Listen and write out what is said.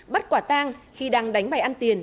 bắt quả tang khi đang đánh bày ăn tiền